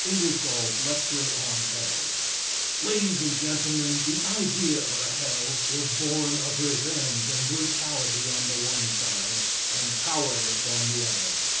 INGERSOLL'S LECTURE ON HELL Ladies and Gentlemen: The idea of a hell was born of revenge and brutality on the one side, and cowardice on the other.